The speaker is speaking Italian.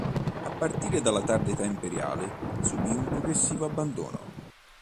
A partire dalla tarda età imperiale subì un progressivo abbandono.